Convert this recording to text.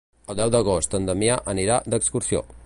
El deu d'agost en Damià anirà d'excursió.